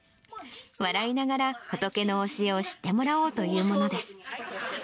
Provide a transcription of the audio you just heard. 笑いながら、仏の教えを知ってもらおうというものです。